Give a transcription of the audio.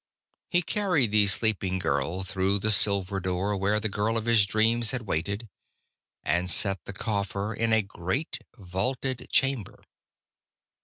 He carried the sleeping girl through the silver door where the girl of his dreams had waited, and set the coffer in a great, vaulted chamber.